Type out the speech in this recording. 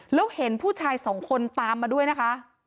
แล้วเห็นผู้ชายสองคนตามมาด้วยนะคะ